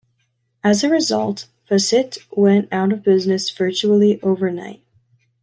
As a result, Facit went out of business virtually overnight.